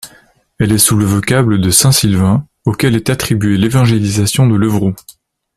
Elle est sous le vocable de saint Sylvain, auquel est attribuée l'évangélisation de Levroux.